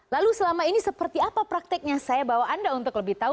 lalu selama ini seperti apa prakteknya saya bawa anda untuk lebih tahu